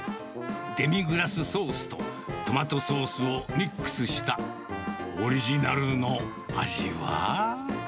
デミグラスソースとトマトソースをミックスした、うーん！